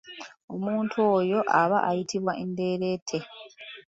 Omuntu oyo aba ayitibwa enderendete.